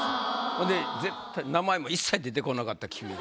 ほんで絶対名前も一切出てこなかった君が。